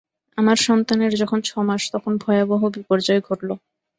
আমার সন্তানের যখন ছমাস তখন ভয়াবহ বিপর্যয় ঘটল।